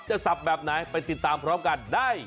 สับแบบไหนไปติดตามพร้อมกันได้